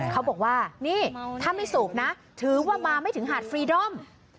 เขาบอกว่านี่ถ้าไม่สูบนะถือว่ามาไม่ถึงหาดฟรีดอม